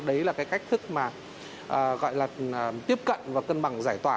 đấy là cái cách thức mà gọi là tiếp cận và cân bằng giải tỏa